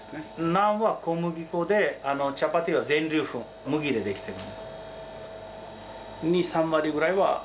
ナンは小麦粉でチャパティは全粒粉麦でできてるんです。